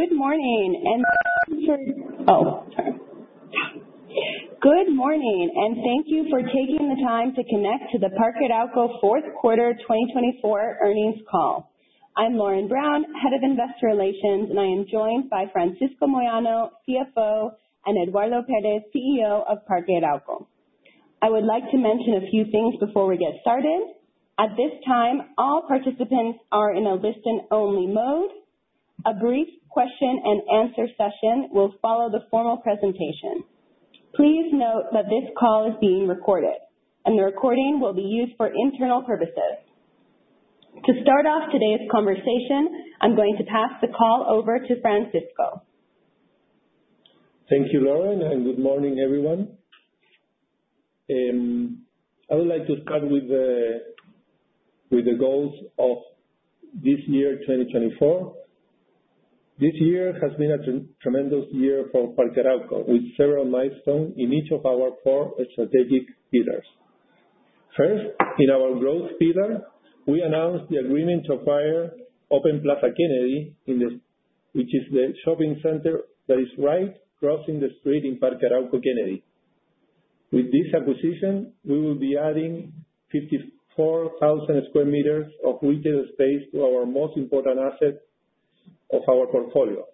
Good morning, and thank you for taking the time to connect to the Parque Arauco fourth quarter 2024 earnings call. I'm Lauren Brown, Head of Investor Relations, and I am joined by Francisco Moyano, CFO, and Eduardo Pérez, CEO of Parque Arauco. I would like to mention a few things before we get started. At this time, all participants are in a listen-only mode. A brief question and answer session will follow the formal presentation. Please note that this call is being recorded, and the recording will be used for internal purposes. To start off today's conversation, I'm going to pass the call over to Francisco. Thank you, Lauren, and good morning, everyone. I would like to start with the goals of this year, 2024. This year has been a tremendous year for Parque Arauco, with several milestones in each of our four strategic pillars. First, in our growth pillar, we announced the agreement to acquire Open Plaza Kennedy, which is the shopping center that is right across the street in Parque Arauco Kennedy. With this acquisition, we will be adding 54,000 square meters of retail space to our most important asset of our portfolio.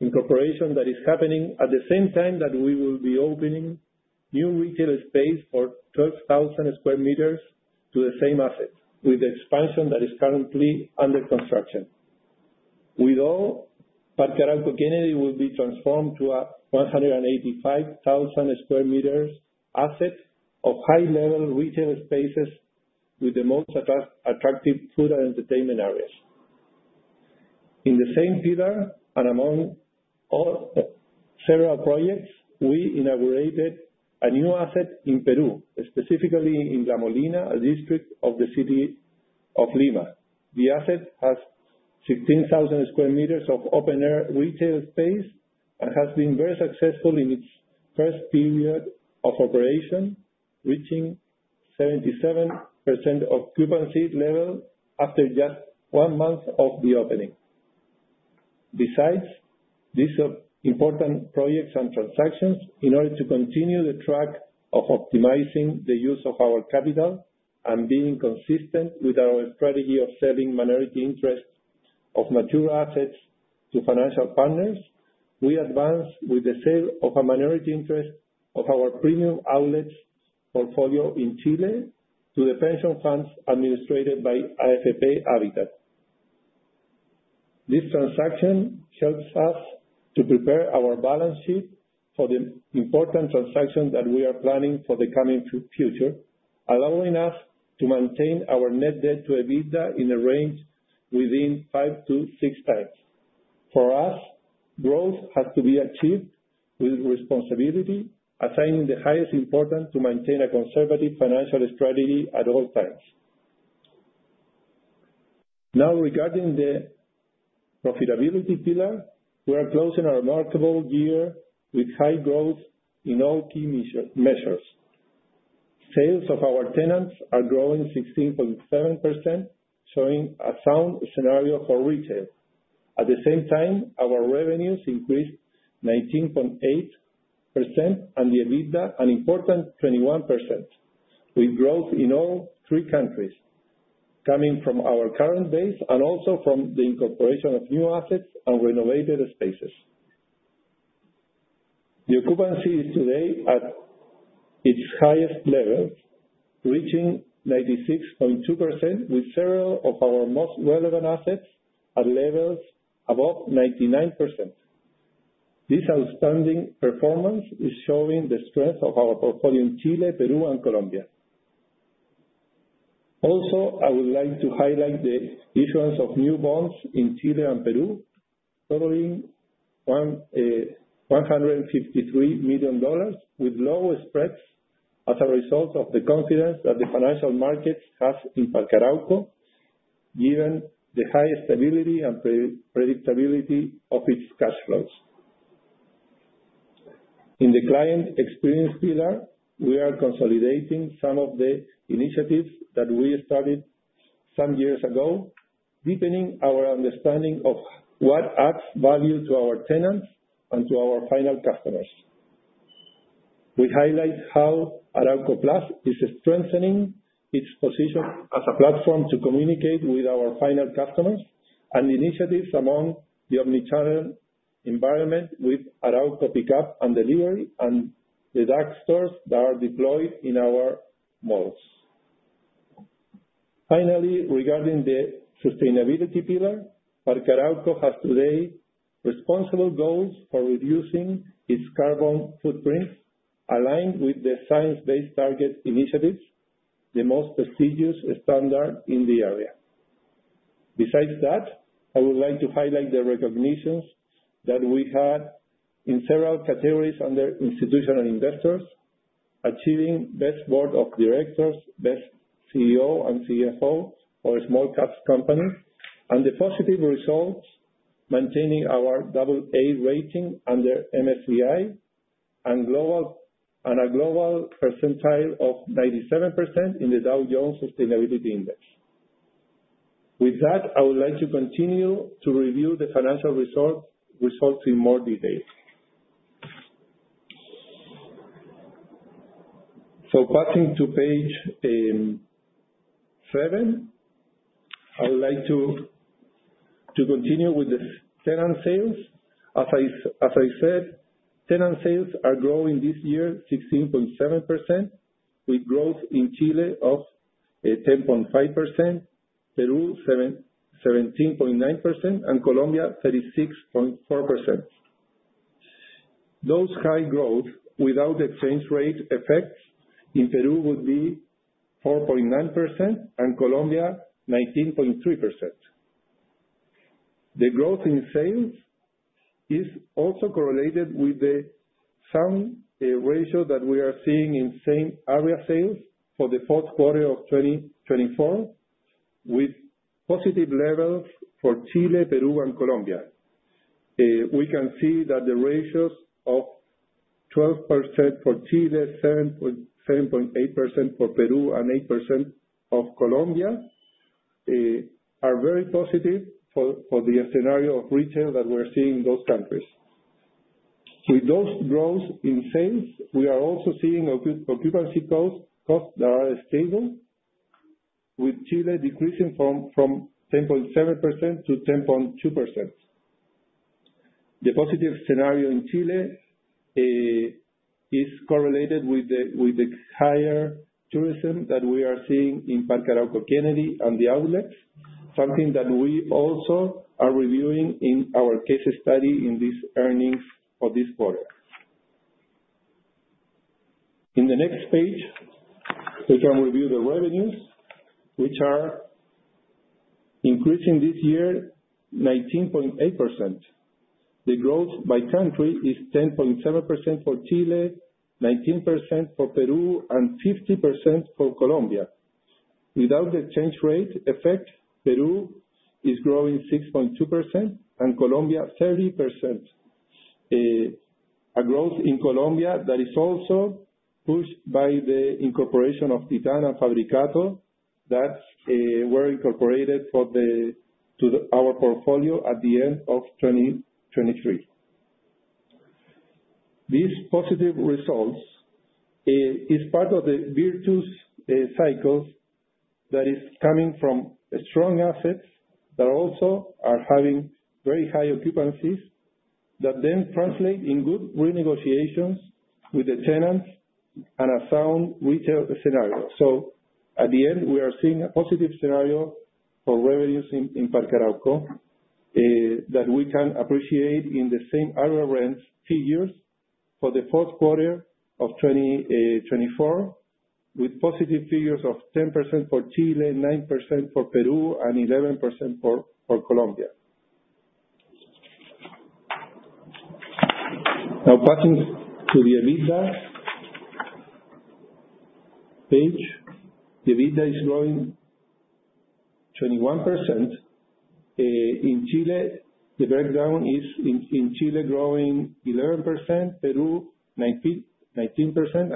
Incorporation that is happening at the same time that we will be opening new retail space for 12,000 square meters to the same asset, with expansion that is currently under construction. With all, Parque Arauco Kennedy will be transformed to a 185,000 square meters asset of high-level retail spaces with the most attractive food and entertainment areas. In the same pillar, among several projects, we inaugurated a new asset in Peru, specifically in La Molina, a district of the city of Lima. The asset has 16,000 square meters of open air retail space and has been very successful in its first period of operation, reaching 77% occupancy level after just one month of the opening. Besides these important projects and transactions, in order to continue the track of optimizing the use of our capital and being consistent with our strategy of selling minority interest of mature assets to financial partners, we advanced with the sale of a minority interest of our premium outlets portfolio in Chile to the pension funds administered by AFP Habitat. This transaction helps us to prepare our balance sheet for the important transaction that we are planning for the coming future, allowing us to maintain our net debt to EBITDA in a range within 5x-6x. For us, growth has to be achieved with responsibility, assigning the highest importance to maintain a conservative financial strategy at all times. Now, regarding the profitability pillar, we are closing a remarkable year with high growth in all key measures. Sales of our tenants are growing 16.7%, showing a sound scenario for retail. At the same time, our revenues increased 19.8% and the EBITDA an important 21%, with growth in all three countries, coming from our current base and also from the incorporation of new assets and renovated spaces. The occupancy is today at its highest level, reaching 96.2%, with several of our most relevant assets at levels above 99%. This outstanding performance is showing the strength of our portfolio in Chile, Peru and Colombia. Also, I would like to highlight the issuance of new bonds in Chile and Peru, totaling $153 million with lower spreads as a result of the confidence that the financial markets has in Parque Arauco, given the high stability and predictability of its cash flows. In the client experience pillar, we are consolidating some of the initiatives that we started some years ago, deepening our understanding of what adds value to our tenants and to our final customers. We highlight how Arauco+ is strengthening its position as a platform to communicate with our final customers and initiatives among the omnichannel environment with Arauco Pick Up & Delivery and the dark stores that are deployed in our malls. Finally, regarding the sustainability pillar, Parque Arauco has today responsible goals for reducing its carbon footprint, aligned with the Science Based Targets Initiative, the most prestigious standard in the area. Besides that, I would like to highlight the recognitions that we had in several categories under Institutional Investor, achieving Best Board of Directors, Best CEO and CFO for a small-cap company, and the positive results maintaining our AA rating under MSCI. And a global percentile of 97% in the Dow Jones Sustainability Index. With that, I would like to continue to review the financial results in more detail. Passing to page seven, I would like to continue with the tenant sales. As I said, tenant sales are growing this year 16.7% with growth in Chile of 10.5%, Peru 17.9%, and Colombia 36.4%. Those high growth without exchange rate effects in Peru would be 4.9% and Colombia 19.3%. The growth in sales is also correlated with the same ratio that we are seeing in same area sales for the fourth quarter of 2024, with positive levels for Chile, Peru, and Colombia. We can see that the ratios of 12% for Chile, 7.8% for Peru, and 8% for Colombia are very positive for the scenario of retail that we're seeing in those countries. With those growths in sales, we are also seeing occupancy costs that are stable, with Chile decreasing from 10.7% to 10.2%. The positive scenario in Chile is correlated with the higher tourism that we are seeing in Parque Arauco Kennedy and The Outlets, something that we also are reviewing in our case study in these earnings for this quarter. In the next page, we can review the revenues, which are increasing this year 19.8%. The growth by country is 10.7% for Chile, 19% for Peru, and 50% for Colombia. Without the exchange rate effect, Peru is growing 6.2% and Colombia 30%. A growth in Colombia that is also pushed by the incorporation of Titán and Fabricato. That were incorporated to our portfolio at the end of 2023. These positive results is part of the virtuous cycles that is coming from strong assets that also are having very high occupancies, that then translate in good renegotiations with the tenants and a sound retail scenario. At the end, we are seeing a positive scenario for revenues in Parque Arauco, that we can appreciate in the same area rents figures for the fourth quarter of 2024, with positive figures of 10% for Chile, 9% for Peru, and 11% for Colombia. Now passing to the EBITDA page. The EBITDA is growing 21%. In Chile, the breakdown is growing 11%, Peru 19%,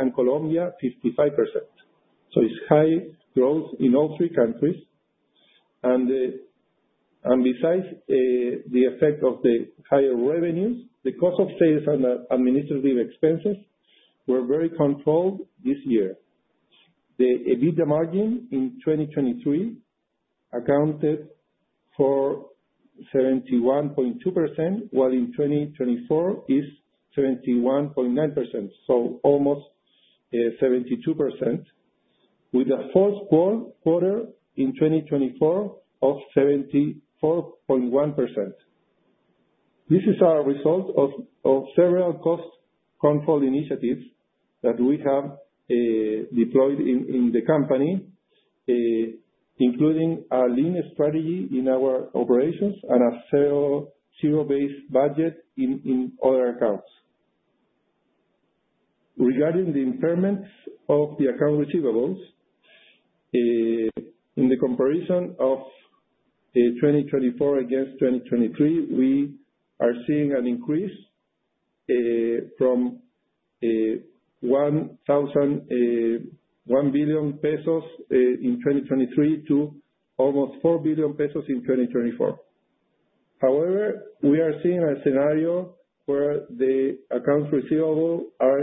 and Colombia 55%. It's high growth in all three countries. The effect of the higher revenues, the cost of sales and administrative expenses were very controlled this year. The EBITDA margin in 2023 accounted for 71.2%, while in 2024 is 71.9%, almost 72%, with a fourth quarter in 2024 of 74.1%. This is our result of several cost control initiatives that we have deployed in the company, including a lean strategy in our operations and a zero-based budget in other accounts. Regarding the impairments of the accounts receivable, in the comparison of 2024 against 2023, we are seeing an increase from 1 billion pesos in 2023 to almost 4 billion pesos in 2024. However, we are seeing a scenario where the accounts receivable are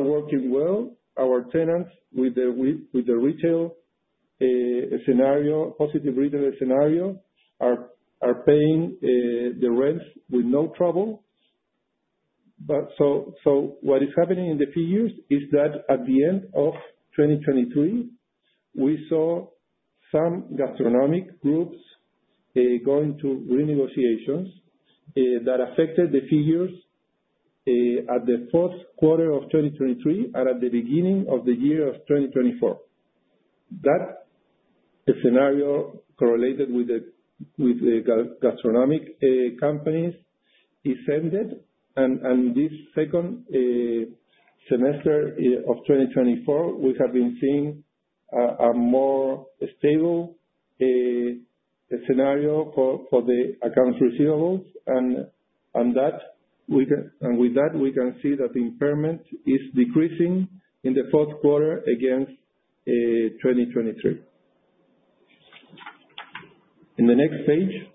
working well. Our tenants with the retail scenario, positive retail scenario, are paying the rents with no trouble. What is happening in the figures is that at the end of 2023, we saw some gastronomic groups going to renegotiations that affected the figures at the fourth quarter of 2023 and at the beginning of the year of 2024. That scenario correlated with the gastronomic companies extended and this second semester of 2024, we have been seeing a more stable scenario for the accounts receivables and with that, we can see that the impairment is decreasing in the fourth quarter against 2023. In the next page.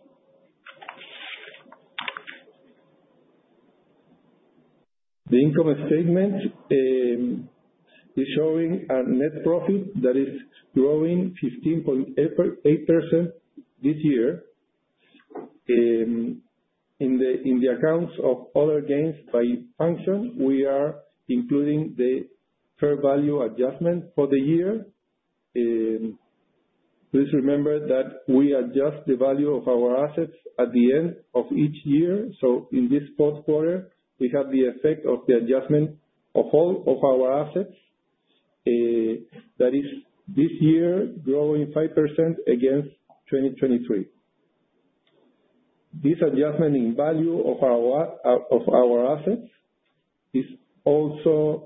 The income statement is showing a net profit that is growing 15.8% this year. In the accounts of other gains by function, we are including the fair value adjustment for the year. Please remember that we adjust the value of our assets at the end of each year. In this fourth quarter, we have the effect of the adjustment of all of our assets, that is this year growing 5% against 2023. This adjustment in value of our assets is also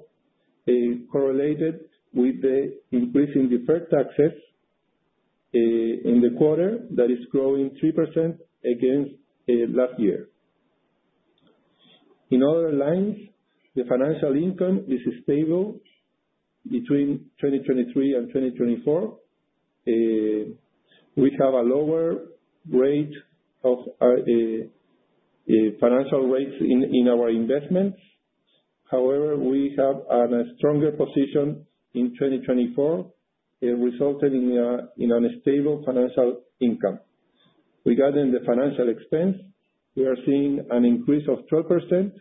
correlated with the increase in deferred taxes in the quarter that is growing 3% against last year. In other lines, the financial income is stable between 2023 and 2024. We have a lower rate of financial rates in our investments. However, we have a stronger position in 2024. It resulted in a stable financial income. Regarding the financial expense, we are seeing an increase of 12%,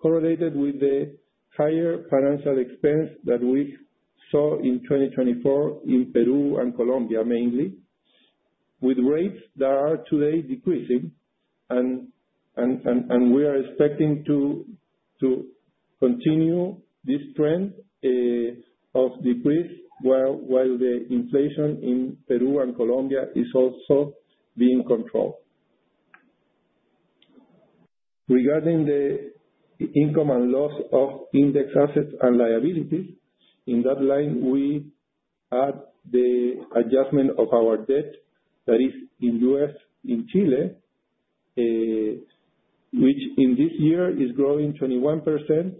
correlated with the higher financial expense that we saw in 2024 in Peru and Colombia mainly. With rates that are today decreasing and we are expecting to continue this trend of decrease while the inflation in Peru and Colombia is also being controlled. Regarding the income and loss of index assets and liabilities, in that line we add the adjustment of our debt that is in U.S., in Chile, which in this year is growing 21%.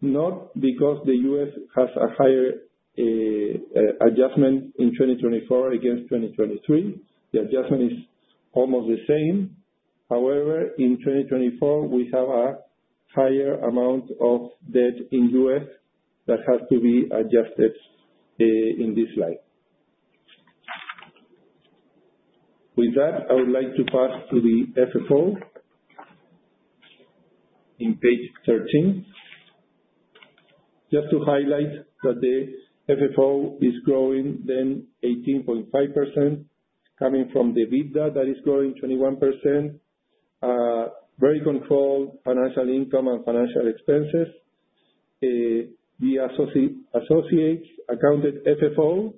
Not because the U.S. has a higher adjustment in 2024 against 2023. The adjustment is almost the same. However, in 2024, we have a higher amount of debt in U.S. that has to be adjusted in this slide. With that, I would like to pass to the FFO. On page 13. Just to highlight that the FFO is growing 18.5% coming from the EBITDA that is growing 21%. Very controlled financial income and financial expenses. The associate accounted FFO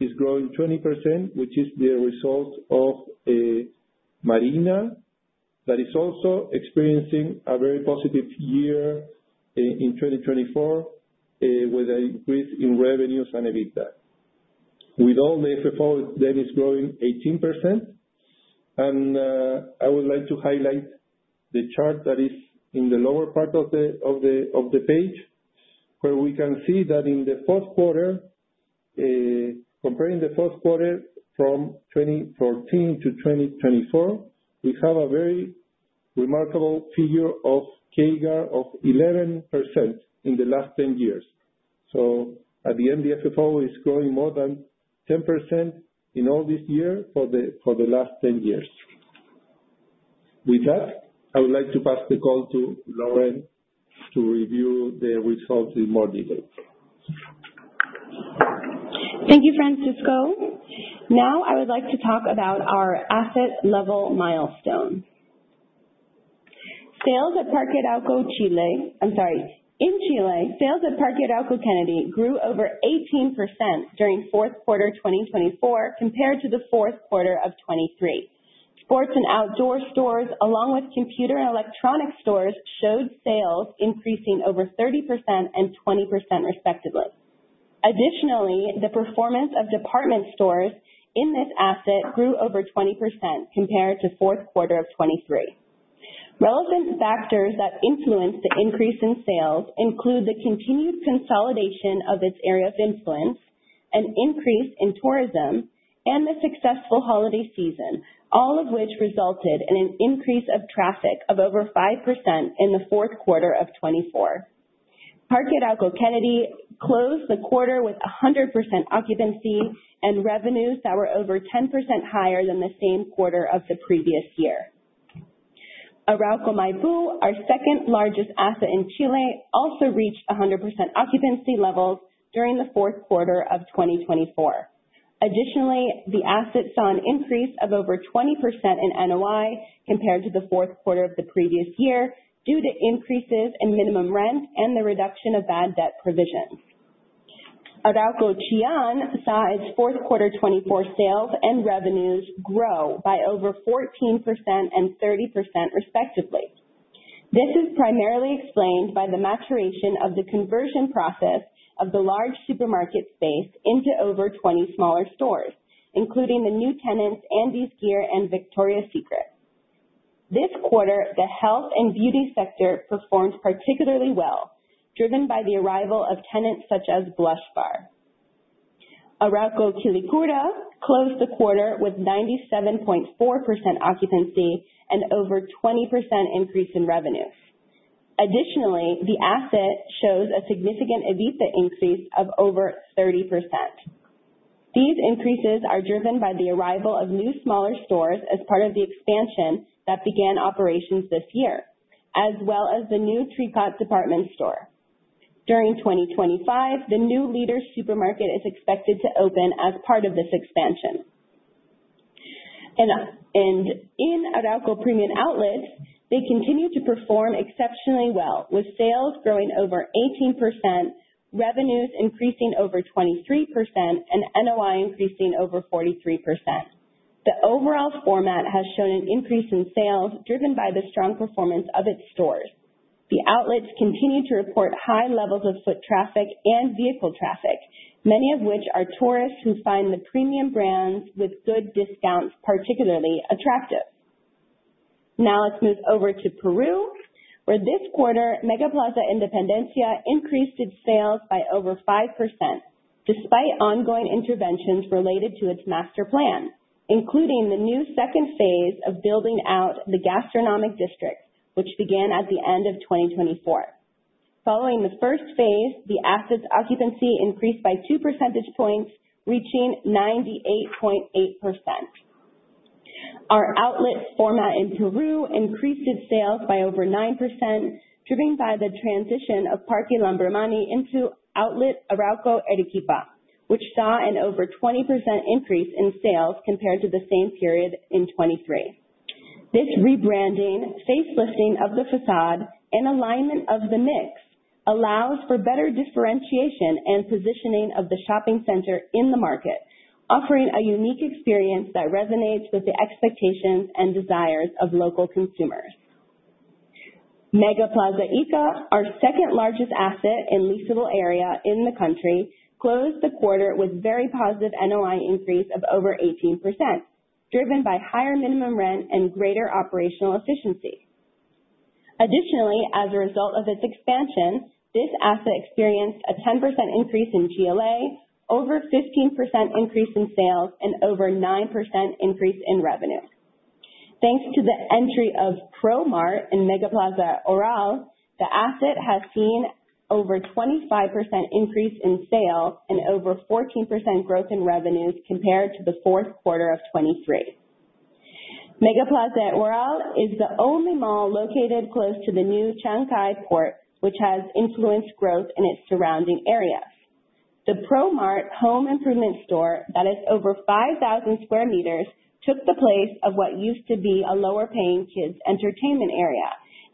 is growing 20%, which is the result of Mall Marina. That is also experiencing a very positive year in 2024, with an increase in revenues and EBITDA. With all the FFO that is growing 18%. I would like to highlight the chart that is in the lower part of the page, where we can see that in the fourth quarter, comparing the fourth quarter from 2014 to 2024, we have a very remarkable figure of CAGR of 11% in the last ten years. At the end, the FFO is growing more than 10% in all this year for the last ten years. With that, I would like to pass the call to Lauren to review the results in more detail. Thank you, Francisco. Now I would like to talk about our asset level milestone. In Chile, sales at Parque Arauco Kennedy grew over 18% during fourth quarter 2024 compared to the fourth quarter of 2023. Sports and outdoor stores, along with computer and electronic stores, showed sales increasing over 30% and 20% respectively. Additionally, the performance of department stores in this asset grew over 20% compared to fourth quarter of 2023. Relevant factors that influenced the increase in sales include the continued consolidation of its area of influence, an increase in tourism, and the successful holiday season, all of which resulted in an increase of traffic of over 5% in the fourth quarter of 2024. Parque Arauco Kennedy closed the quarter with 100% occupancy and revenues that were over 10% higher than the same quarter of the previous year. Arauco Maipú, our second largest asset in Chile, also reached 100% occupancy levels during the fourth quarter of 2024. Additionally, the asset saw an increase of over 20% in NOI compared to the fourth quarter of the previous year due to increases in minimum rent and the reduction of bad debt provisions. Arauco Chillán saw its fourth quarter 2024 sales and revenues grow by over 14% and 30% respectively. This is primarily explained by the maturation of the conversion process of the large supermarket space into over 20 smaller stores, including the new tenants, Andesgear and Victoria's Secret. This quarter, the health and beauty sector performed particularly well, driven by the arrival of tenants such as Blush-Bar. Arauco Quilicura closed the quarter with 97.4% occupancy and over 20% increase in revenues. Additionally, the asset shows a significant EBITDA increase of over 30%. These increases are driven by the arrival of new smaller stores as part of the expansion that began operations this year, as well as the new Tricot department store. During 2025, the new Líder supermarket is expected to open as part of this expansion. In Arauco Premium Outlets, they continue to perform exceptionally well, with sales growing over 18%, revenues increasing over 23%, and NOI increasing over 43%. The overall format has shown an increase in sales driven by the strong performance of its stores. The outlets continue to report high levels of foot traffic and vehicle traffic, many of which are tourists who find the premium brands with good discounts particularly attractive. Now let's move over to Peru, where this quarter, MegaPlaza Independencia increased its sales by over 5% despite ongoing interventions related to its master plan, including the new second phase of building out the gastronomic district, which began at the end of 2024. Following the first phase, the asset's occupancy increased by two percentage points, reaching 98.8%. Our outlet format in Peru increased its sales by over 9%, driven by the transition of Parque Lambramani into Outlet Arauco Arequipa, which saw an over 20% increase in sales compared to the same period in 2023. This rebranding, facelifting of the facade and alignment of the mix allows for better differentiation and positioning of the shopping center in the market, offering a unique experience that resonates with the expectations and desires of local consumers. MegaPlaza Ica, our second largest asset and leasable area in the country, closed the quarter with very positive NOI increase of over 18%, driven by higher minimum rent and greater operational efficiency. Additionally, as a result of its expansion, this asset experienced a 10% increase in GLA, over 15% increase in sales and over 9% increase in revenues. Thanks to the entry of Promart in MegaPlaza Huaral, the asset has seen over 25% increase in sales and over 14% growth in revenues compared to the fourth quarter of 2023. MegaPlaza Huaral is the only mall located close to the new Chancay Port, which has influenced growth in its surrounding areas. The Promart home improvement store that is over 5,000 square meters took the place of what used to be a lower paying kids' entertainment area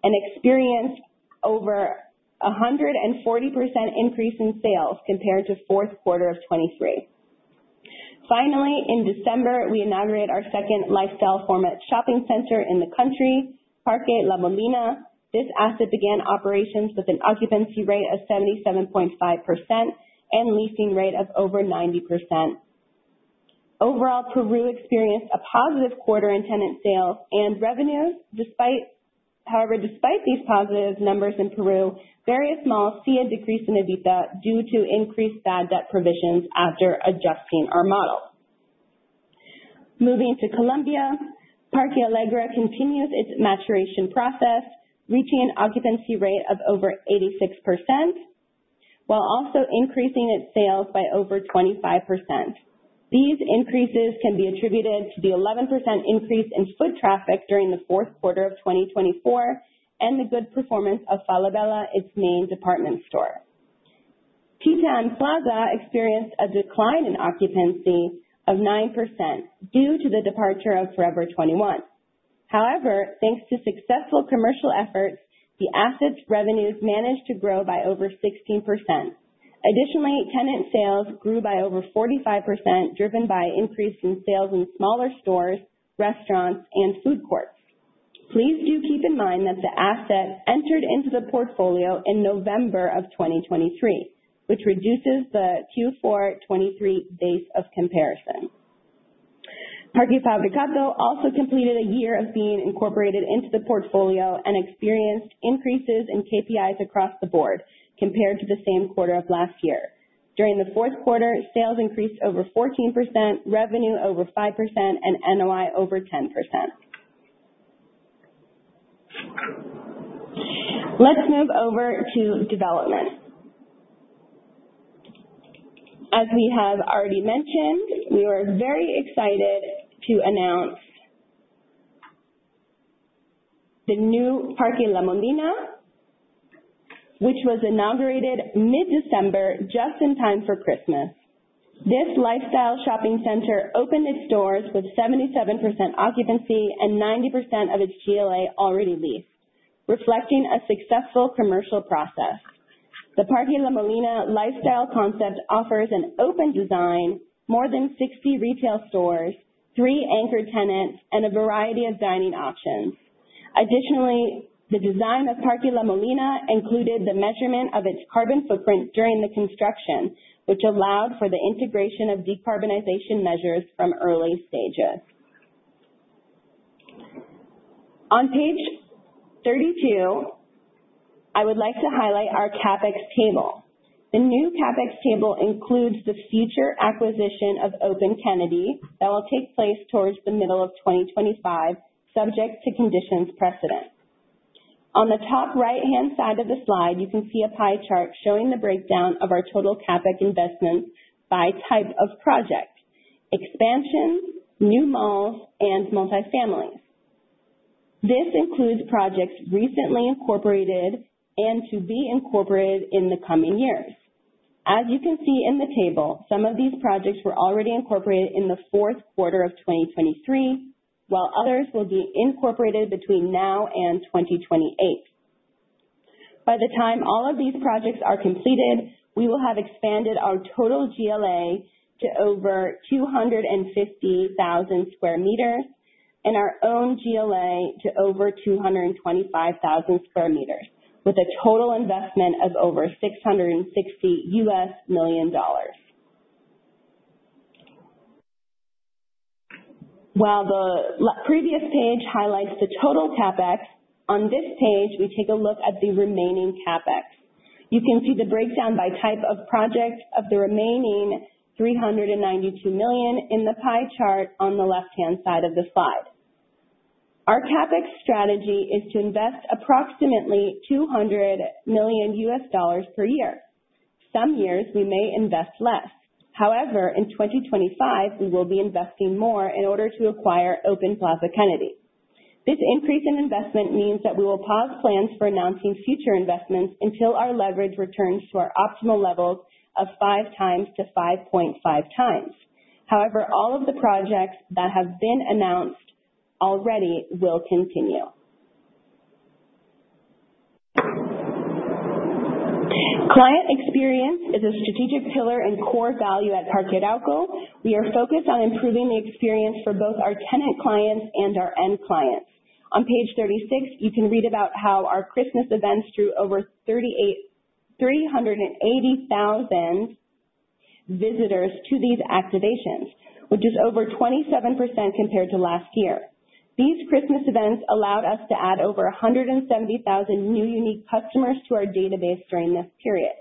and experienced over 140% increase in sales compared to fourth quarter of 2023. Finally, in December, we inaugurated our second lifestyle format shopping center in the country, Parque La Molina. This asset began operations with an occupancy rate of 77.5% and leasing rate of over 90%. Overall, Peru experienced a positive quarter in tenant sales and revenues. Despite these positive numbers in Peru, various malls see a decrease in EBITDA due to increased bad debt provisions after adjusting our model. Moving to Colombia, Parque Alegra continues its maturation process, reaching an occupancy rate of over 86% while also increasing its sales by over 25%. These increases can be attributed to the 11% increase in foot traffic during the fourth quarter of 2024 and the good performance of Falabella, its main department store. Titán Plaza experienced a decline in occupancy of 9% due to the departure of Forever 21. However, thanks to successful commercial efforts, the asset's revenues managed to grow by over 16%. Additionally, tenant sales grew by over 45%, driven by increase in sales in smaller stores, restaurants and food courts. Please do keep in mind that the asset entered into the portfolio in November of 2023, which reduces the Q4 2023 base of comparison. Parque Fabricato also completed a year of being incorporated into the portfolio and experienced increases in KPIs across the board compared to the same quarter of last year. During the fourth quarter, sales increased over 14%, revenue over 5%, and NOI over 10%. Let's move over to development. As we have already mentioned, we are very excited to announce the new Parque La Molina, which was inaugurated mid-December, just in time for Christmas. This lifestyle shopping center opened its doors with 77% occupancy and 90% of its GLA already leased, reflecting a successful commercial process. The Parque La Molina lifestyle concept offers an open design, more than 60 retail stores, three anchor tenants, and a variety of dining options. Additionally, the design of Parque La Molina included the measurement of its carbon footprint during the construction, which allowed for the integration of decarbonization measures from early stages. On page 32, I would like to highlight our CapEx table. The new CapEx table includes the future acquisition of Open Kennedy that will take place towards the middle of 2025, subject to conditions precedent. On the top right-hand side of the slide, you can see a pie chart showing the breakdown of our total CapEx investments by type of project. Expansion, new malls, and multifamily. This includes projects recently incorporated and to be incorporated in the coming years. As you can see in the table, some of these projects were already incorporated in the fourth quarter of 2023, while others will be incorporated between now and 2028. By the time all of these projects are completed, we will have expanded our total GLA to over 250,000 square meters and our own GLA to over 225,000 square meters with a total investment of over $660 million. While the previous page highlights the total CapEx, on this page, we take a look at the remaining CapEx. You can see the breakdown by type of project of the remaining $392 million in the pie chart on the left-hand side of the slide. Our CapEx strategy is to invest approximately $200 million per year. Some years we may invest less. However, in 2025, we will be investing more in order to acquire Open Plaza Kennedy. This increase in investment means that we will pause plans for announcing future investments until our leverage returns to our optimal levels of 5x to 5.5x. However, all of the projects that have been announced already will continue. Client experience is a strategic pillar and core value at Parque Arauco. We are focused on improving the experience for both our tenant clients and our end clients. On page 36, you can read about how our Christmas events drew over 380,000 visitors to these activations, which is over 27% compared to last year. These Christmas events allowed us to add over 170,000 new unique customers to our database during this period.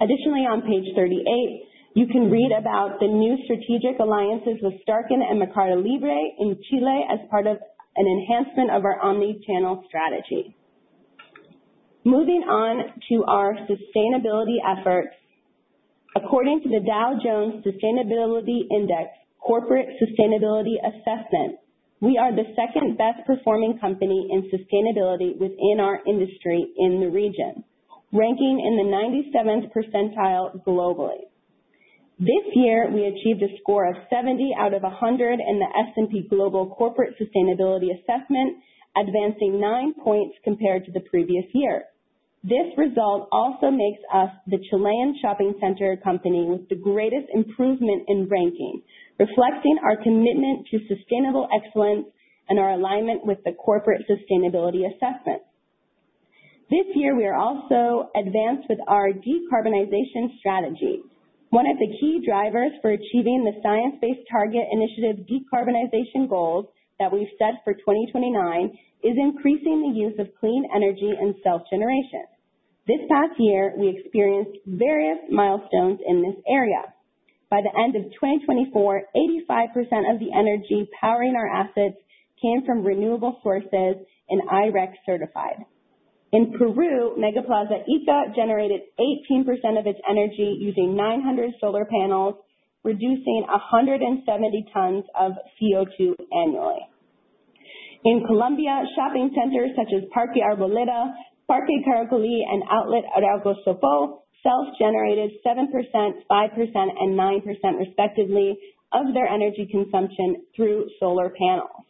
Additionally, on page 38, you can read about the new strategic alliances with Starken and Mercado Libre in Chile as part of an enhancement of our omni-channel strategy. Moving on to our sustainability efforts. According to the Dow Jones Sustainability Index Corporate Sustainability Assessment, we are the second best performing company in sustainability within our industry in the region, ranking in the 97th percentile globally. This year, we achieved a score of 70 out of 100 in the S&P Global Corporate Sustainability Assessment, advancing 9 points compared to the previous year. This result also makes us the Chilean shopping center company with the greatest improvement in ranking, reflecting our commitment to sustainable excellence and our alignment with the corporate sustainability assessment. This year, we are also advanced with our decarbonization strategy. One of the key drivers for achieving the Science Based Targets Initiative decarbonization goals that we've set for 2029 is increasing the use of clean energy and self-generation. This past year, we experienced various milestones in this area. By the end of 2024, 85% of the energy powering our assets came from renewable sources and I-REC certified. In Peru, MegaPlaza Ica generated 18% of its energy using 900 solar panels, reducing 170 tons of CO2 annually. In Colombia, shopping centers such as Parque Arboleda, Parque Caracolí, and Outlet Arauco Sopó self-generated 7%, 5%, and 9%, respectively, of their energy consumption through solar panels.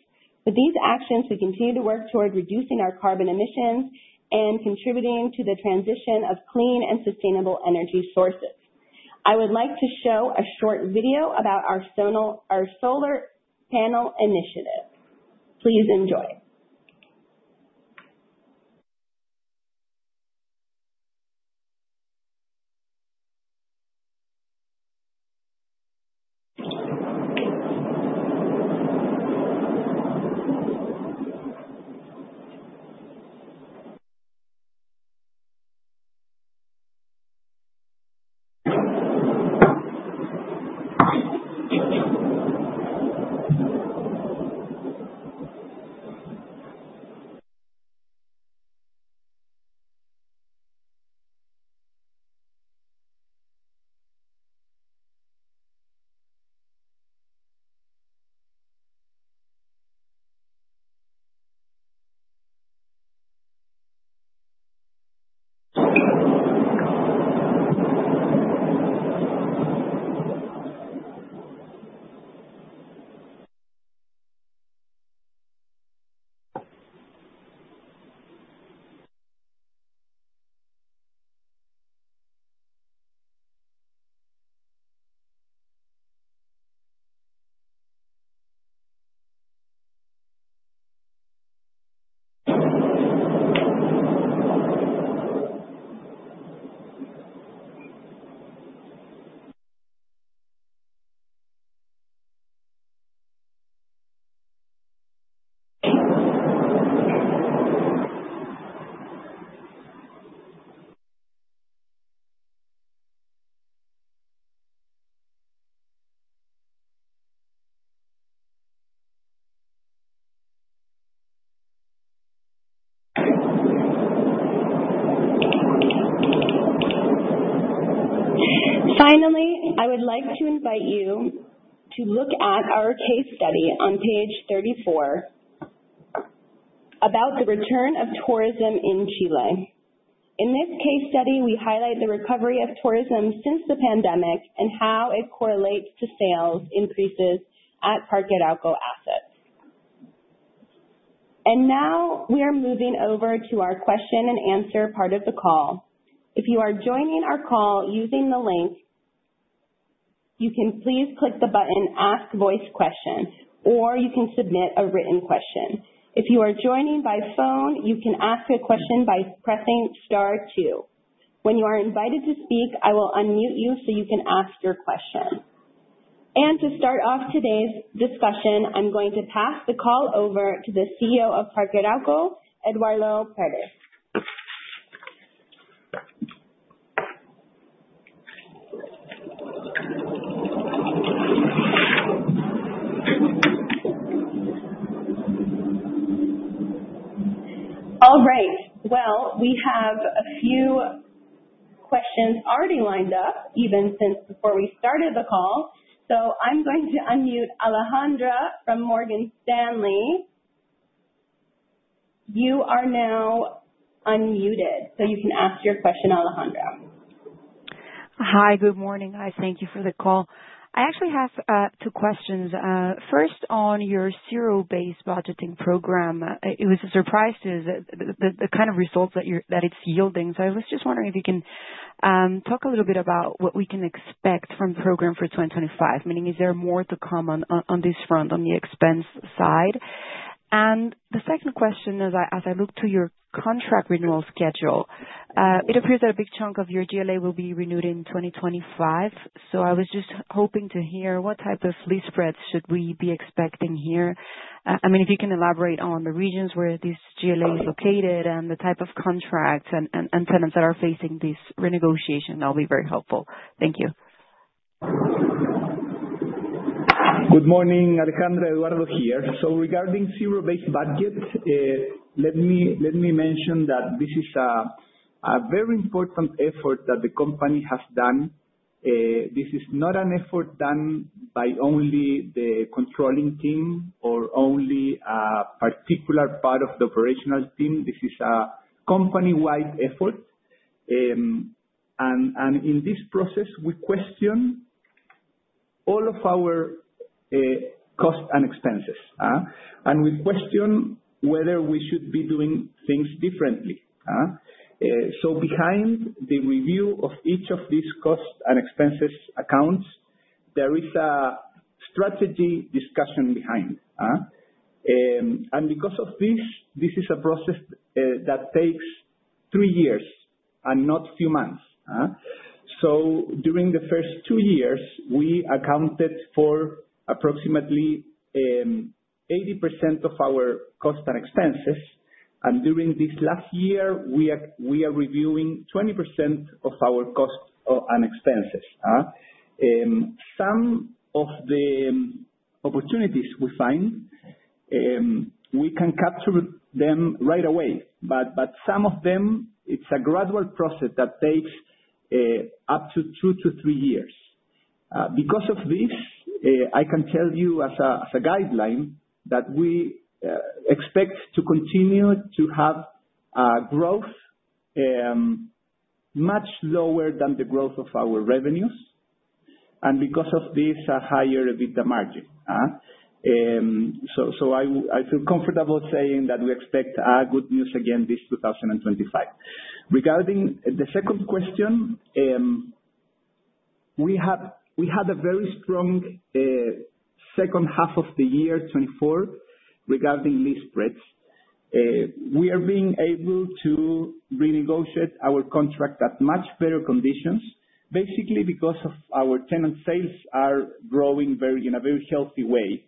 With these actions, we continue to work toward reducing our carbon emissions and contributing to the transition of clean and sustainable energy sources. I would like to show a short video about our solar panel initiative. Please enjoy. Finally, I would like to invite you to look at our case study on page 34 about the return of tourism in Chile. In this case study, we highlight the recovery of tourism since the pandemic and how it correlates to sales increases at Parque Arauco assets. Now we are moving over to our question and answer part of the call. If you are joining our call using the link, you can please click the button, Ask Voice Question, or you can submit a written question. If you are joining by phone, you can ask a question by pressing star two. When you are invited to speak, I will unmute you so you can ask your question. To start off today's discussion, I'm going to pass the call over to the CEO of Parque Arauco, Eduardo Pérez. All right. Well, we have a few questions already lined up even since before we started the call. I'm going to unmute Alejandra from Morgan Stanley. You are now unmuted, so you can ask your question, Alejandra. Hi. Good morning. I thank you for the call. I actually have two questions. First, on your zero-based budgeting program. It was a surprise to the kind of results that it's yielding. I was just wondering if you can talk a little bit about what we can expect from the program for 2025. Meaning is there more to come on this front, on the expense side? The second question as I look to your contract renewal schedule, it appears that a big chunk of your GLA will be renewed in 2025. I was just hoping to hear what type of leasing spreads should we be expecting here. I mean, if you can elaborate on the regions where this GLA is located and the type of contracts and tenants that are facing this renegotiation, that'll be very helpful. Thank you. Good morning, Alejandra. Eduardo here. Regarding zero-based budgets, let me mention that this is a very important effort that the company has done. This is not an effort done by only the controlling team or only a particular part of the operational team. This is a company-wide effort. In this process, we question all of our costs and expenses. We question whether we should be doing things differently. Behind the review of each of these costs and expenses accounts, there is a strategy discussion behind. Because of this is a process that takes three years and not few months. During the first two years, we accounted for approximately 80% of our costs and expenses. During this last year, we are reviewing 20% of our costs and expenses. Some of the opportunities we find, we can capture them right away. Some of them, it's a gradual process that takes up to two to three years. Because of this, I can tell you as a guideline that we expect to continue to have growth much lower than the growth of our revenues. Because of this, a higher EBITDA margin. I feel comfortable saying that we expect good news again this 2025. Regarding the second question, we had a very strong second half of the year 2024 regarding lease spreads. We are being able to renegotiate our contract at much better conditions, basically because of our tenant sales are growing in a very healthy way.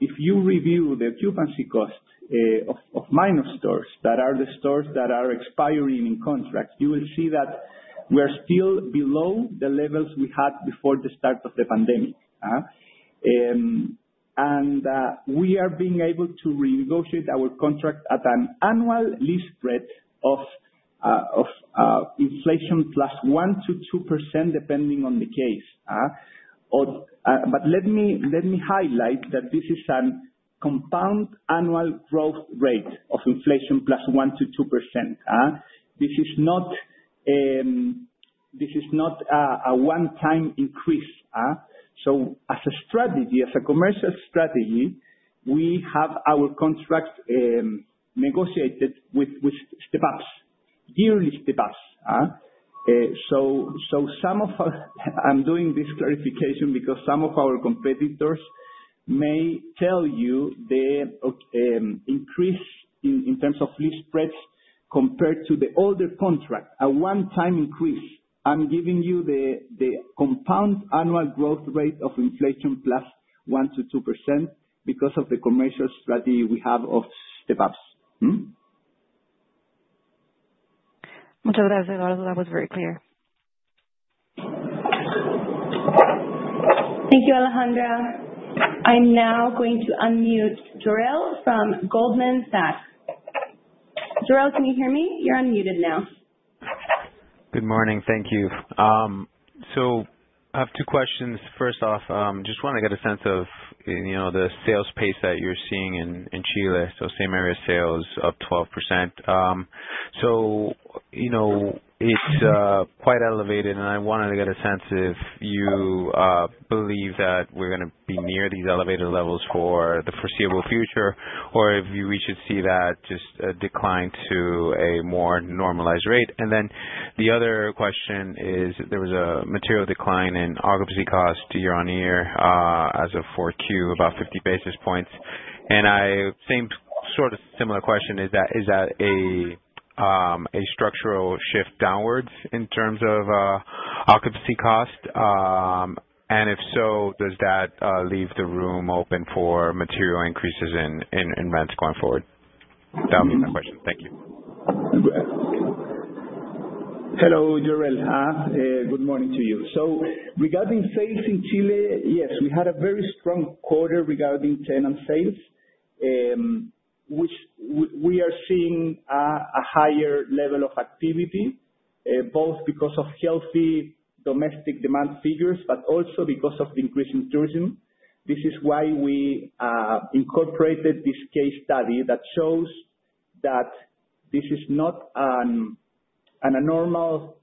If you review the occupancy costs of minor stores that are expiring in contracts, you will see that we're still below the levels we had before the start of the pandemic. We are being able to renegotiate our contract at an annual leas spread of inflation plus 1%-2%, depending on the case. But let me highlight that this is a compound annual growth rate of inflation plus 1%-2%. This is not a one-time increase. As a strategy, as a commercial strategy, we have our contract negotiated with step-ups. Yearly step-ups. Some of our. I'm doing this clarification because some of our competitors may tell you the increase in terms of leasing spreads compared to the older contract, a one-time increase. I'm giving you the compound annual growth rate of inflation plus 1%-2% because of the commercial strategy we have of step-ups. That was very clear. Thank you, Alejandra. I'm now going to unmute Jorel from Goldman Sachs. Jorel, can you hear me? You're unmuted now. Good morning. Thank you. I have two questions. First off, just wanna get a sense of, you know, the sales pace that you're seeing in Chile, so same-store sales up 12%. You know, it's quite elevated, and I wanna get a sense if you believe that we're gonna be near these elevated levels for the foreseeable future, or if we should see that just decline to a more normalized rate. The other question is, there was a material decline in occupancy cost year-on-year, as of 4Q, about 50 basis points. Same sort of similar question, is that a structural shift downwards in terms of occupancy cost? And if so, does that leave the room open for material increases in rents going forward? That would be my question. Thank you. Hello, Jorel. Good morning to you. Regarding sales in Chile, yes, we had a very strong quarter regarding tenant sales, which we are seeing a higher level of activity, both because of healthy domestic demand figures, but also because of increase in tourism. This is why we incorporated this case study that shows that this is not a normal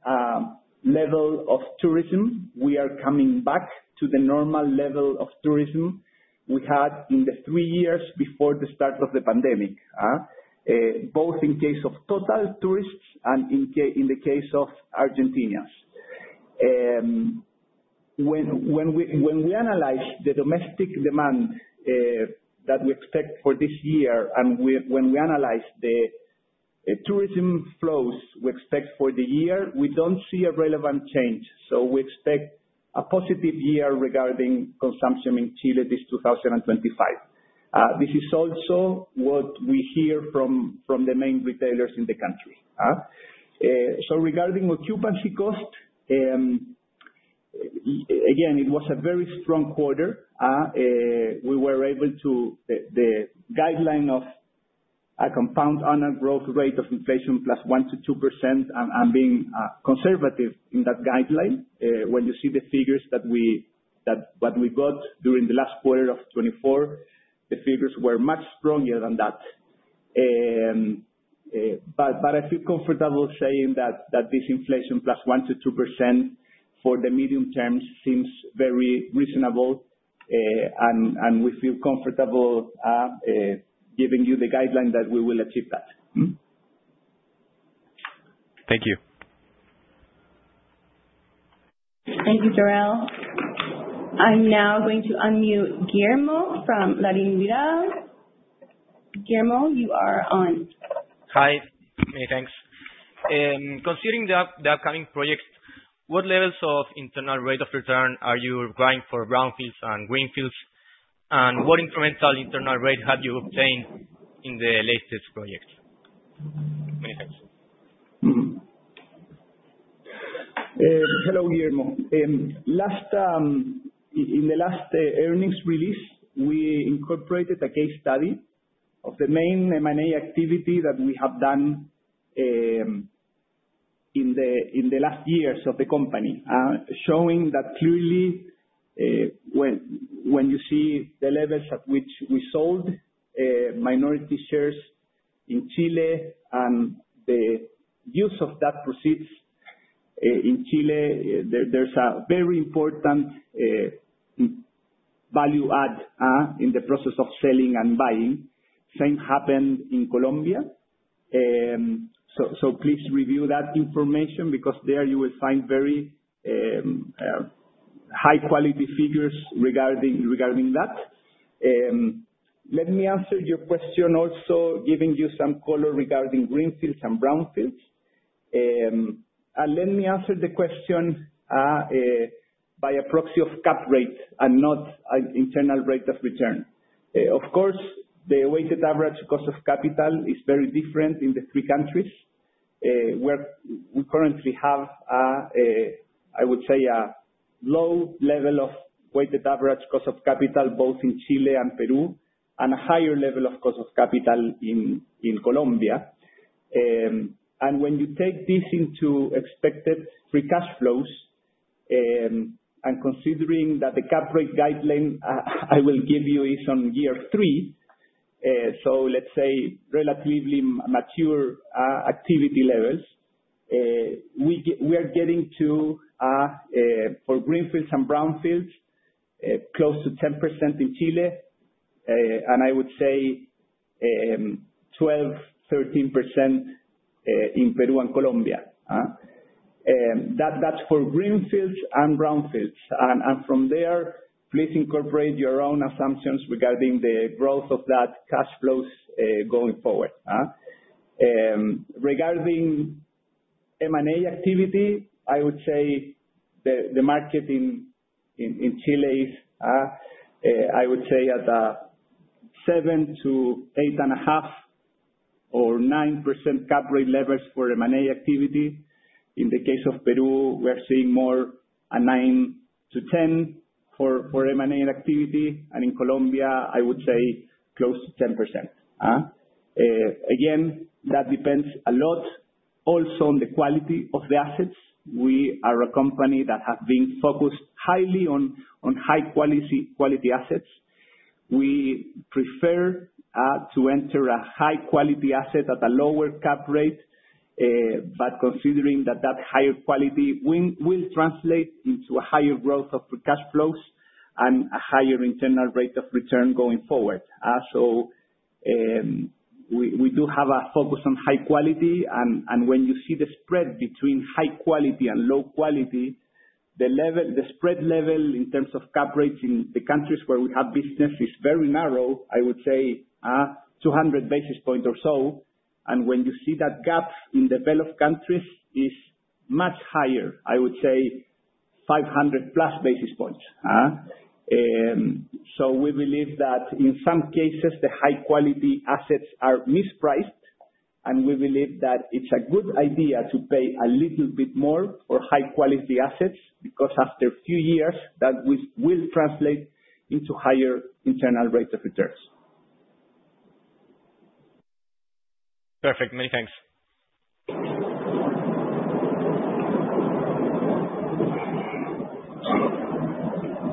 level of tourism. We are coming back to the normal level of tourism we had in the three years before the start of the pandemic, both in case of total tourists and in the case of Argentinians. When we analyze the domestic demand that we expect for this year, and we analyze the tourism flows we expect for the year, we don't see a relevant change. We expect a positive year regarding consumption in Chile this 2025. This is also what we hear from the main retailers in the country. Regarding occupancy cost, again, it was a very strong quarter. The guideline of a CAGR of inflation plus 1%-2%, I'm being conservative in that guideline. When you see the figures that we got during the last quarter of 2024, the figures were much stronger than that. But I feel comfortable saying that this inflation plus 1%-2% for the medium term seems very reasonable. We feel comfortable giving you the guideline that we will achieve that. Thank you. Thank you, Jorel. I'm now going to unmute Guillermo from LarrainVial. Guillermo, you are on. Hi. Many thanks. Considering the upcoming projects, what levels of internal rate of return are you requiring for brownfields and greenfields? What incremental internal rate have you obtained in the latest project? Many thanks. Hello, Guillermo. In the last earnings release, we incorporated a case study of the main M&A activity that we have done in the last years of the company, showing that clearly, when you see the levels at which we sold minority shares in Chile and the use of that proceeds in Chile, there's a very important value add in the process of selling and buying. Same happened in Colombia. Please review that information because there you will find very high quality figures regarding that. Let me answer your question also giving you some color regarding greenfields and brownfields. Let me answer the question by a proxy of cap rates and not an internal rate of return. Of course, the weighted average cost of capital is very different in the three countries, where we currently have, I would say, a low level of weighted average cost of capital, both in Chile and Peru, and a higher level of cost of capital in Colombia. When you take this into expected free cash flow, and considering that the cap rate guideline I will give you is on year three, let's say relatively mature activity levels. We are getting to, for greenfields and brownfields, close to 10% in Chile. I would say, 12%-13% in Peru and Colombia. That, that's for greenfields and brownfields. From there, please incorporate your own assumptions regarding the growth of that cash flows going forward. Regarding M&A activity, I would say the market in Chile is at 7% to 8.5% or 9% cap rate levels for M&A activity. In the case of Peru, we are seeing more a 9%-10% for M&A activity. In Colombia, I would say close to 10%. Again, that depends a lot also on the quality of the assets. We are a company that have been focused highly on high quality assets. We prefer to enter a high quality asset at a lower cap rate, but considering that that higher quality will translate into a higher growth of the cash flows and a higher internal rate of return going forward. We do have a focus on high quality. When you see the spread between high quality and low quality, the spread level in terms of cap rate in the countries where we have business is very narrow. I would say, 200 basis points or so. When you see that gap in developed countries is much higher, I would say 500+ basis points. We believe that in some cases the high quality assets are mispriced, and we believe that it's a good idea to pay a little bit more for high quality assets, because after a few years that will translate into higher internal rates of return. Perfect. Many thanks.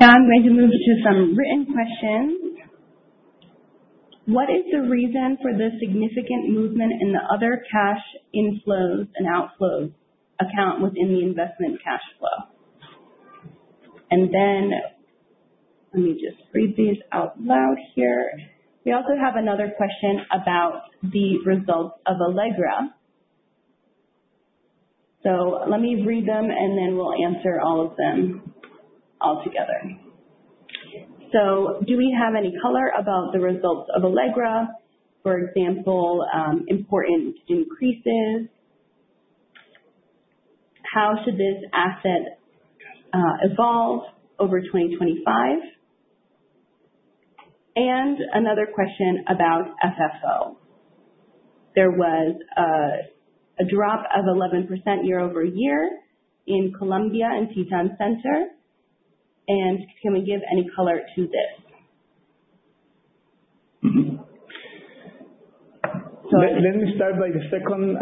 Now I'm going to move to some written questions. What is the reason for the significant movement in the other cash inflows and outflows account within the investment cash flow? Let me just read these out loud here. We also have another question about the results of Alegra. Let me read them, and then we'll answer all of them all together. Do we have any color about the results of Alegra, for example, important increases? How should this asset evolve over 2025? Another question about FFO. There was a drop of 11% year-over-year in Colombia and Titán Center. Can we give any color to this? Mm-hmm. Sorry. Let me start with the second,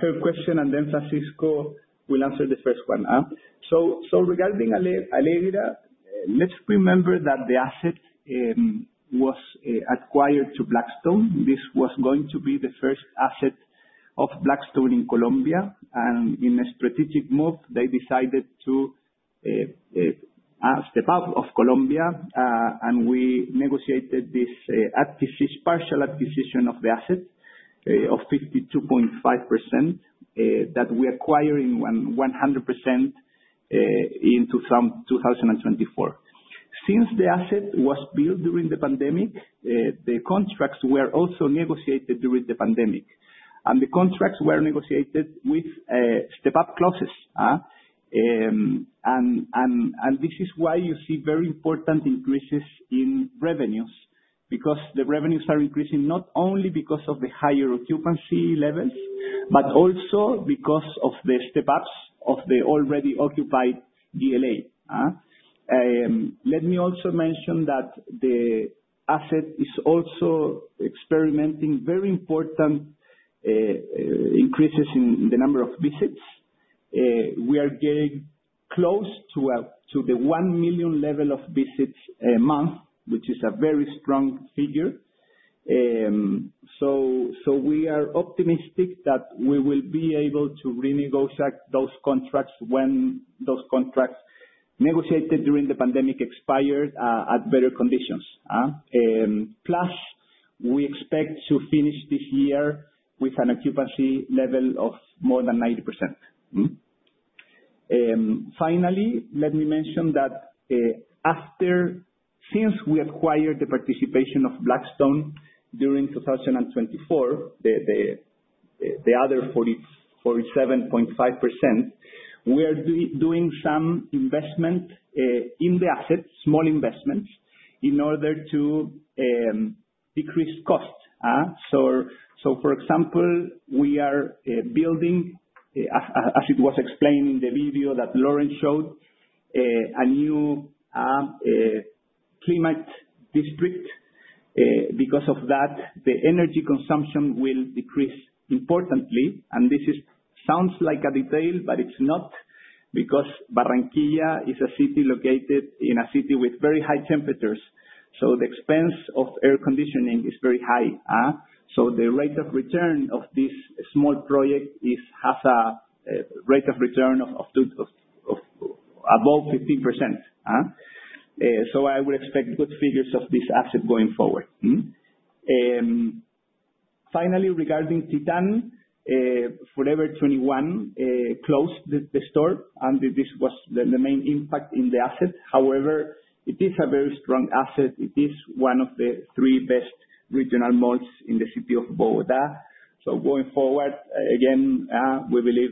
third question, and then Francisco will answer the first one. Regarding Alegra, let's remember that the asset was acquired from Blackstone. This was going to be the first asset of Blackstone in Colombia. In a strategic move, they decided to step out of Colombia. We negotiated this partial acquisition of the asset of 52.5% that we're acquiring 100% in 2024. Since the asset was built during the pandemic, the contracts were also negotiated during the pandemic. The contracts were negotiated with step-up clauses. This is why you see very important increases in revenues, because the revenues are increasing not only because of the higher occupancy levels, but also because of the step-ups of the already occupied GLA. Let me also mention that the asset is also experimenting very important increases in the number of visits. We are getting close to the 1 million level of visits a month, which is a very strong figure. We are optimistic that we will be able to renegotiate those contracts when those contracts negotiated during the pandemic expired at better conditions. Plus we expect to finish this year with an occupancy level of more than 90%. Finally, let me mention that after. Since we acquired the participation of Blackstone during 2024, the other 47.5%, we are doing some investment in the assets, small investments, in order to decrease costs. For example, we are building, as it was explained in the video that Lauren showed, a new Primart District. Because of that, the energy consumption will decrease importantly, and this sounds like a detail, but it's not, because Barranquilla is a city located in a city with very high temperatures, so the expense of air conditioning is very high. The rate of return of this small project has a rate of return above 15%. I would expect good figures of this asset going forward. Finally, regarding Titán, Forever 21 closed the store, and this was the main impact in the asset. However, it is a very strong asset. It is one of the three best regional malls in the city of Bogotá. Going forward, again, we believe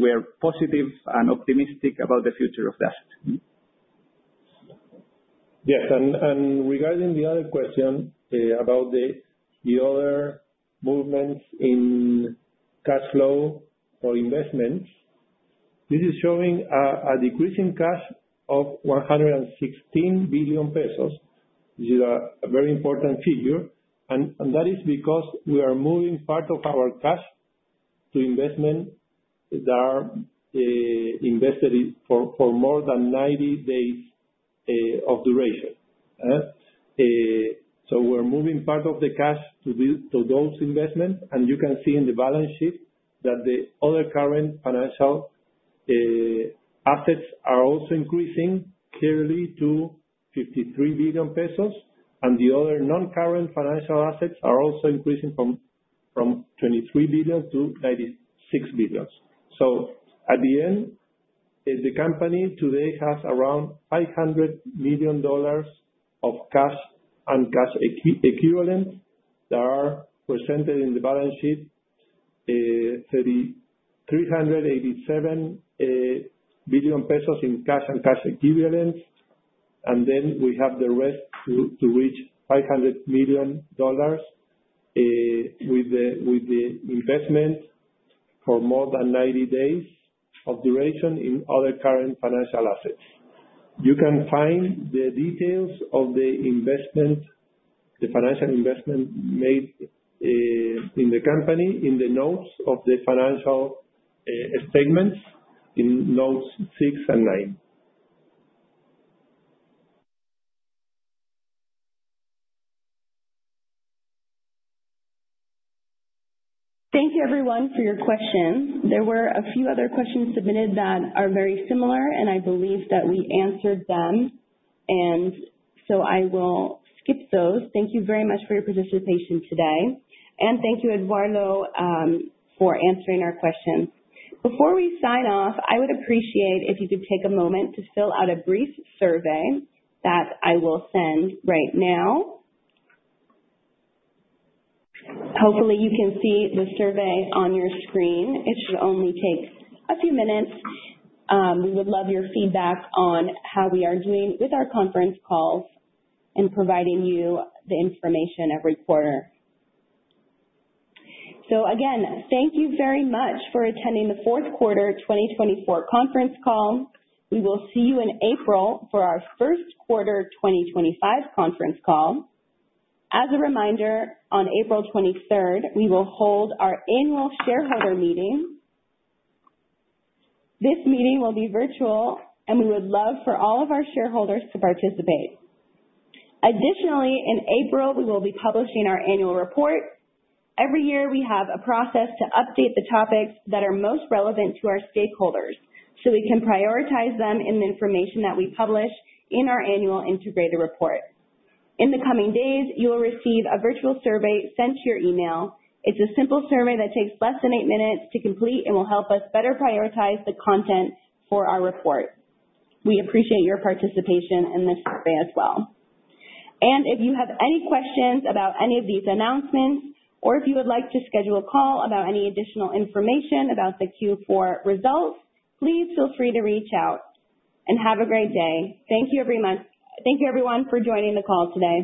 we are positive and optimistic about the future of the asset. Mm-hmm. Yes. Regarding the other question about the other movements in cash flow or investments, this is showing a decrease in cash of 116 billion pesos. This is a very important figure, and that is because we are moving part of our cash to investments that are invested in for more than 90 days of duration. We're moving part of the cash to those investments, and you can see in the balance sheet that the other current financial assets are also increasing clearly to 53 billion pesos, and the other non-current financial assets are also increasing from 23 billion to 36 billion. At the end, as the company today has around $500 million of cash and cash equivalence that are presented in the balance sheet. 387 billion pesos in cash and cash equivalents. Then we have the rest to reach $500 million with the investment for more than 90 days of duration in other current financial assets. You can find the details of the investment, the financial investment made, in the company in the notes of the financial statements in notes six and nine. Thank you everyone for your questions. There were a few other questions submitted that are very similar, and I believe that we answered them, and so I will skip those. Thank you very much for your participation today. Thank you, Eduardo, for answering our questions. Before we sign off, I would appreciate if you could take a moment to fill out a brief survey that I will send right now. Hopefully you can see the survey on your screen. It should only take a few minutes. We would love your feedback on how we are doing with our conference calls and providing you the information every quarter. Again, thank you very much for attending the fourth quarter 2024 conference call. We will see you in April for our first quarter 2025 conference call. As a reminder, on April 23rd, we will hold our annual shareholder meeting. This meeting will be virtual, and we would love for all of our shareholders to participate. Additionally, in April, we will be publishing our annual report. Every year, we have a process to update the topics that are most relevant to our stakeholders, so we can prioritize them in the information that we publish in our annual integrated report. In the coming days, you will receive a virtual survey sent to your email. It's a simple survey that takes less than eight minutes to complete and will help us better prioritize the content for our report. We appreciate your participation in this survey as well. If you have any questions about any of these announcements or if you would like to schedule a call about any additional information about the Q4 results, please feel free to reach out. Have a great day. Thank you everyone for joining the call today.